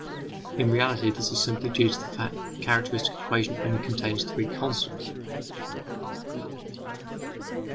In reality, this is simply due to the fact that the characteristic equation only contains three constants.